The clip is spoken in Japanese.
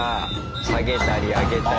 下げたり上げたり。